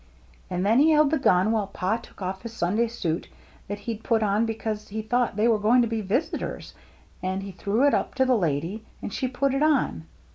" And then he held the gun while Pa took off his Sunday suit that he'd put on because he thought they was going to be visitors, and he threw it up to the lady, and she put it on.